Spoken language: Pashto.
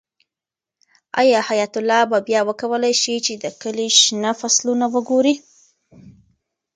آیا حیات الله به بیا وکولی شي چې د کلي شنه فصلونه وګوري؟